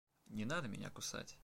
Не надо меня кусать.